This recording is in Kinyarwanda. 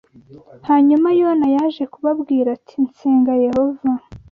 Hanyuma Yona yaje kubabwira ati nsenga Yehova